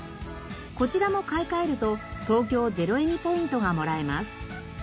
こちらも買い替えると東京ゼロエミポイントがもらえます。